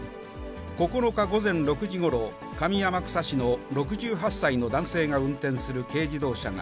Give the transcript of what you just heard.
９日午前６時ごろ、上天草市の６８歳の男性が運転する軽自動車が、